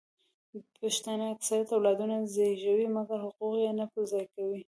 پښتانه اکثریت اولادونه زیږوي مګر حقوق یې نه پر ځای کوي